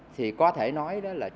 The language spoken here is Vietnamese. thì có thể nói đó là